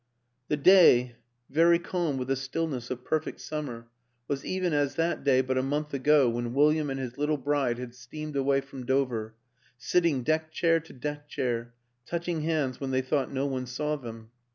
The day, very calm with the stillness of perfect sum mer, was even as that day but a month ago when William and his little bride had steamed away from Dover, sitting deck chair to deck chair, touching hands when they thought no one saw them.